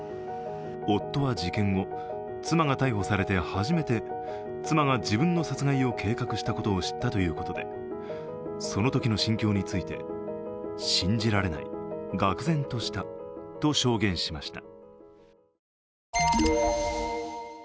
夫は事件後、妻が逮捕されて初めて妻が自分の殺害を計画したことを知ったということでそのときの心境について信じられない、がく然とした証言しました。